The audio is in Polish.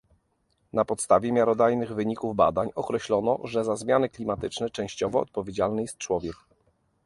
Na podstawie miarodajnych wyników badań określono, że za zmiany klimatyczne częściowo odpowiedzialny jest człowiek